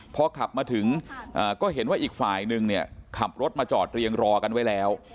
พอขับมาถึงก็เห็นว่าอีกฝ่ายนึงเนี่ยขับรถมาจอดเรียงรอกันไว้แล้ว